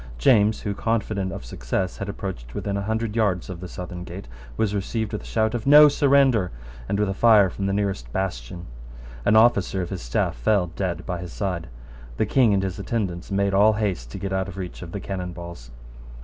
James, who, confident of success, had approached within a hundred yards of the southern gate, was received with a shout of "No surrender," and with a fire from the nearest bastion. An officer of his staff fell dead by his side. The King and his attendants made all haste to get out of reach of the cannon balls.